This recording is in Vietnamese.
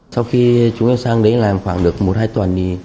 sau khi chúng em sang đấy làm khoảng được một hai tuần